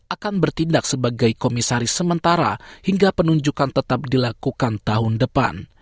akan bertindak sebagai komisaris sementara hingga penunjukan tetap dilakukan tahun depan